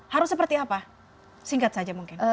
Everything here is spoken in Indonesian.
harus seperti apa singkat saja mungkin